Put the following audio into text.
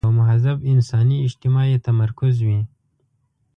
پر یوه مهذب انساني اجتماع یې تمرکز وي.